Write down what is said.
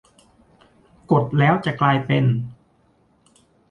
กด แล้วจะกลายเป็น